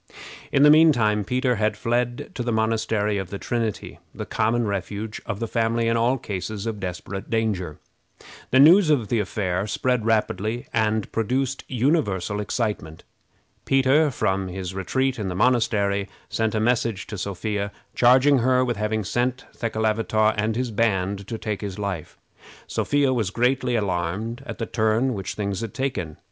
In the mean time Peter had fled to the Monastery of the Trinity, the common refuge of the family in all cases of desperate danger. The news of the affair spread rapidly, and produced universal excitement. Peter, from his retreat in the monastery, sent a message to Sophia, charging her with having sent Thekelavitaw and his band to take his life. Sophia was greatly alarmed at the turn which things had taken.